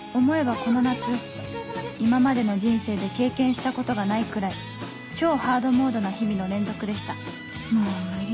この夏今までの人生で経験したことがないくらい超ハードモードな日々の連続でしたもう無理。